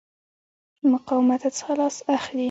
مقاومته څخه لاس اخلي.